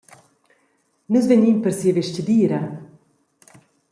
Nus vegnin per sia vestgadira!